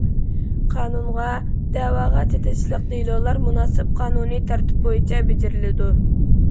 قانۇنغا، دەۋاغا چېتىشلىق دېلولار مۇناسىپ قانۇنىي تەرتىپ بويىچە بېجىرىلىدۇ.